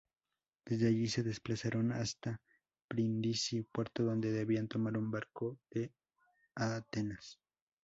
Desde allí, se desplazaron hasta Brindisi, puerto donde debían tomar un barco a Atenas.